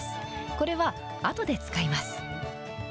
これはあとで使います。